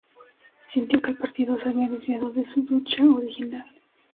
Sintió que el partido se había desviado de su lucha original.